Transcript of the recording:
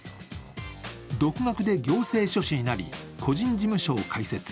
独学で行政書士になり個人事務所を開設。